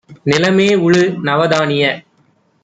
நிலமேஉழு! நவதானிய